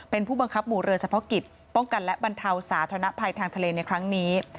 เป็นผู้บังคับหมู่เรือเฉพาะกิจป้องกันและบรรเทาสาธารณภัยทางทะเลในครั้งนี้